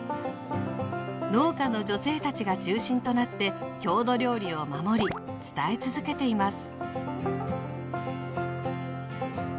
農家の女性たちが中心となって郷土料理を守り伝え続けています。